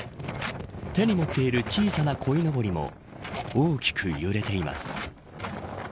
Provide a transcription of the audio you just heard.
手に持っている小さなこいのぼりも大きく揺れています。